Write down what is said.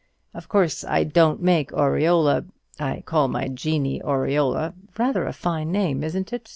Of course I don't make Aureola, I call my Jeannie 'Aureola;' rather a fine name, isn't it?